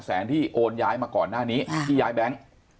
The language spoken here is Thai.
แสนที่โอนย้ายมาก่อนหน้านี้ที่ย้ายแบงค์